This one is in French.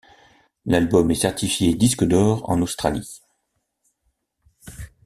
L'album est certifié disque d'or en Australie.